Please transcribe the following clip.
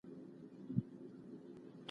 زه پرون پلان جوړ کړ؟